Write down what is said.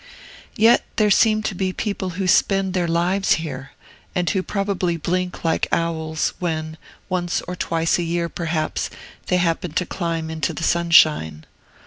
Yet there seem to be people who spend their lives here, and who probably blink like owls, when, once or twice a year, perhaps, they happen to climb into the sunshine.